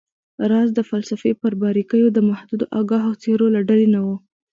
راز د فلسفې پر باریکیو د محدودو آګاهو څیرو له ډلې نه و